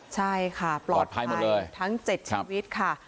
ใช่ค่ะปลอดภัยทั้ง๗ชีวิตค่ะ